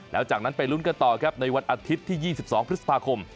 แล้วจากนั้นไปลุ้นกันต่อครับในวันอาทิตย์ที่๒๒พฤษภาคม